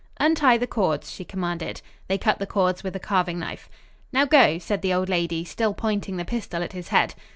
"Untie the cords," she commanded. They cut the cords with a carving knife. "Now, go!" said the old lady, still pointing the pistol at his head.